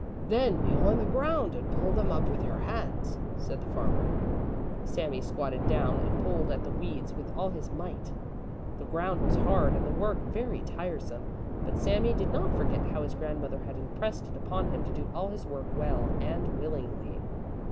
"Then kneel on the ground and pull them up with your hands," said the farmer. Sami squatted down and pulled at the weeds with all his might. The ground was hard and the work very tiresome. But Sami did not forget how his grandmother had impressed it upon him to do all his work well and willingly.